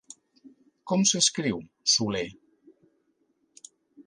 Com s'escriu, Solé?